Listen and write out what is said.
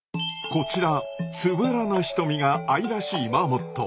こちらつぶらな瞳が愛らしいマーモット。